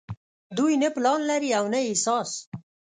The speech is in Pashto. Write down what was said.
دوي نۀ پلان لري او نه احساس